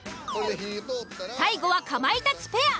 最後はかまいたちペア。